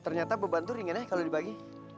ternyata beban tuh ringan ya kalau dibagi